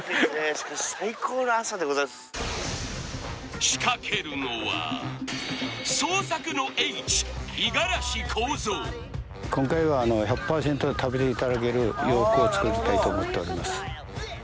しかし最高の朝でございます仕掛けるのは今回はあの１００％食べていただける洋服を作りたいと思っております